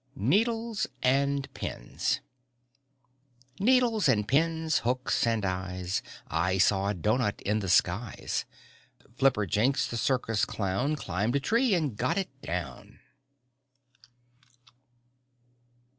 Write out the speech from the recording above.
NEEDLES AND PINS Needles and pins, hooks and eyes! I saw a doughnut in the skies. Flipperjinks the circus clown Climbed a tree and got it down.